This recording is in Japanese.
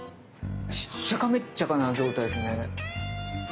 しっちゃかめっちゃかな状態ですね。